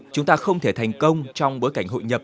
chúng ta không thể thành công trong bối cảnh hội nhập